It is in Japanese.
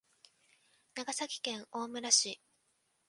長崎県大村市